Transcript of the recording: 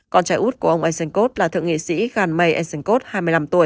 còn trái út của ông esenkot là thượng nghị sĩ ghanmei esenkot hai mươi năm tuổi